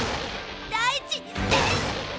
大事にして。